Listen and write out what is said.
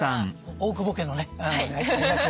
大久保家のね役を。